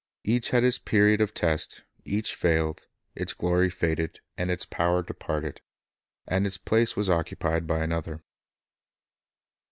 Each had its period of test, each failed, its glory faded, its power departed, and its place was occupied by another.